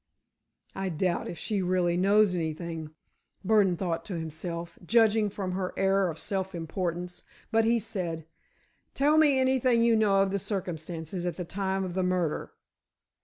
"I doubt if she really knows anything," Burdon thought to himself, judging from her air of self importance, but he said: "Tell me anything you know of the circumstances at the time of the murder."